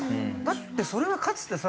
だってそれはかつてその。